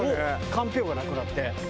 かんぴょうがなくなって。